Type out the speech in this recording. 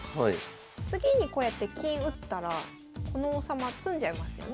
次にこうやって金打ったらこの王様詰んじゃいますよね。